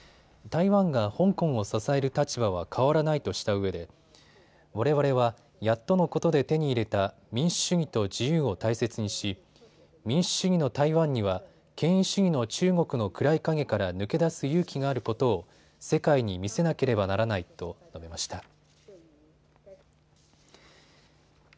台湾が香港を支える立場は変わらないとしたうえでわれわれはやっとのことで手に入れた民主主義と自由を大切にし民主主義の台湾には権威主義の中国の暗い影から抜け出す勇気があることを世界に見せなければならないと述べました。